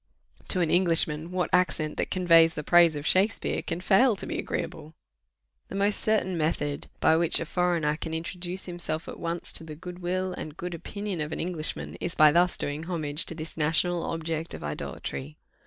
To an Englishman, what accent that conveys the praise of Shakspeare can fail to be agreeable? The most certain method by which a foreigner an introduce himself at once to the good will and good opinion of an Englishman, is by thus doing homage to this national object of idolatry.